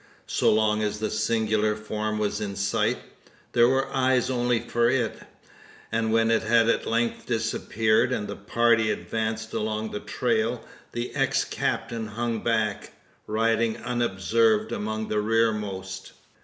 So long as the singular form was in sight, there were eyes only for it; and when it had at length disappeared, and the party advanced along the trail, the ex captain hung back, riding unobserved among the rearmost.